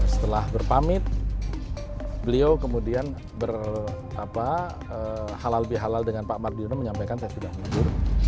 setelah berpamit beliau kemudian halal bihalal dengan pak mar diono menyampaikan saya sudah menuju